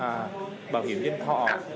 à bảo hiểm nhân thọ